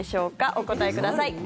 お答えください。